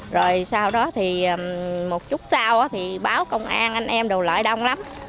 rồi sau đó thì một chút sau thì báo công an anh em đồ lại đông lắm